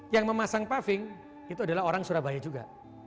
yang memasang paving itu adalah orang surabaya juga